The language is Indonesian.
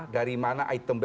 dari mana item b